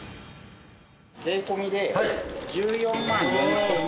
税込みで１４万４，０００円。